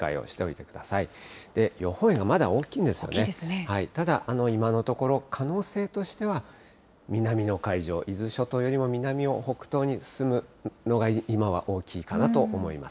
ただ、今のところ、可能性としては、南の海上、伊豆諸島より南を北東に進むのが今は大きいかなと思います。